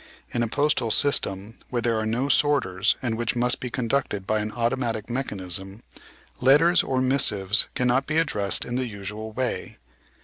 In a postal system where there are no sorters and which must be conducted by an automatic mechanism, letters or missives cannot be addressed in the usual way.